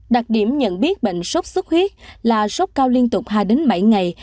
đặc điểm nhận biết bệnh sốt xuất huyết là sốt cao liên tục hai đến bảy ngày